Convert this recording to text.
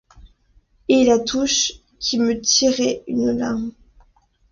Et la touche qui me tirerait une larme.